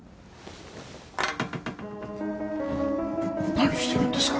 何してるんですか！